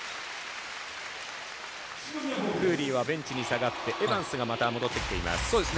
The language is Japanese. クーリーはベンチに下がってエバンスがまた戻ってきています。